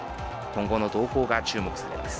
今後の動向が注目されます。